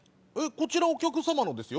こちらお客様のですよ。